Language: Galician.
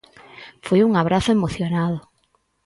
Foi un abrazo emocionado.